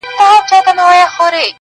o تر پردي زوى مو دا خپله پکه لور ښه ده.